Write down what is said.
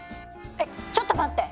えっちょっと待って！